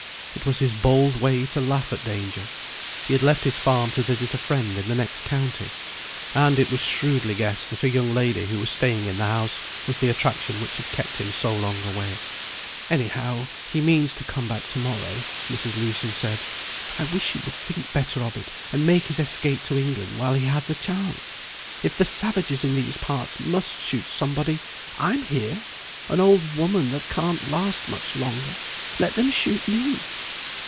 It was his bold way to laugh at danger. He had left his farm to visit a friend in the next county; and it was shrewdly guessed that a young lady who was staying in the house was the attraction which had kept him so long away. "Anyhow, he means to come back to morrow," Mrs. Lewson said. "I wish he would think better of it, and make his escape to England while he has the chance. If the savages in these parts must shoot somebody, I'm here an old woman that can't last much longer. Let them shoot me."